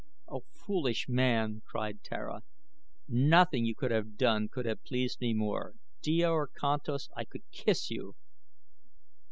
"Oh, foolish man!" cried Tara. "Nothing you could have done could have pleased me more. Djor Kantos, I could kiss you!"